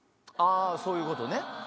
あそういうことね。